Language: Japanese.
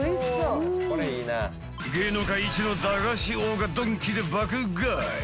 芸能界一の駄菓子王がドンキで爆買い。